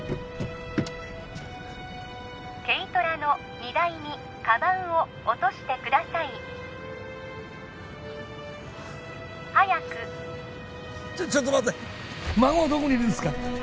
軽トラの荷台にカバンを落としてください早くちょっと待って孫はどこにいるんすか？